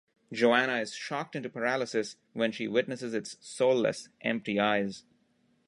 Joanna is shocked into paralysis when she witnesses its soulless, empty eyes.